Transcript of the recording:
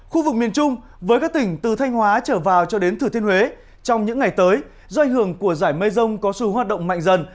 khu vực miền trung với các tỉnh từ thanh hóa trở vào cho đến thừa thiên huế trong những ngày tới do ảnh hưởng của giải mây rông có xu hoạt động mạnh dần